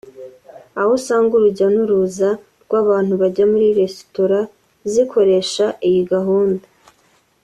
aho usanga urujya n’uruza rw’abantu bajya muri resitora zikoresha iyi gahunda